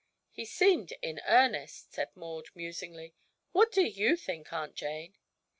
"He seemed in earnest," said Maud, musingly. "What do you think, Aunt Jane?"